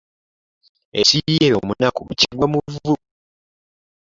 Ekiyiira omunako kigwa mu vvu .